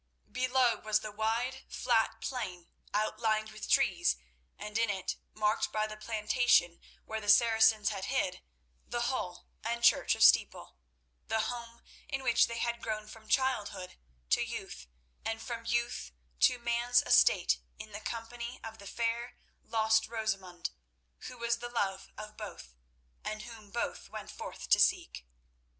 Below was the wide flat plain, outlined with trees, and in it, marked by the plantation where the Saracens had hid, the Hall and church of Steeple, the home in which they had grown from childhood to youth, and from youth to man's estate in the company of the fair, lost Rosamund, who was the love of both, and whom both went forth to seek.